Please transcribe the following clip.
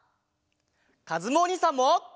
かずむおにいさんも！